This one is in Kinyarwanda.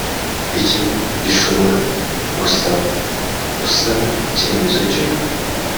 ikigo gishobora gusaba usaba icyemezo cyo